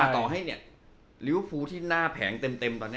ต่อให้เนี่ยริวพูที่หน้าแผงเต็ม